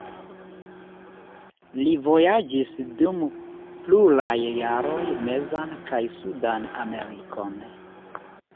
Li vojaĝis dum pluraj jaroj mezan kaj sudan Amerikon.